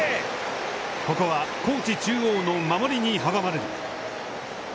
ここは高知中央の守りに阻まれる。